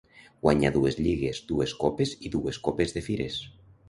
Guanyà dues lligues, dues copes i dues Copes de Fires.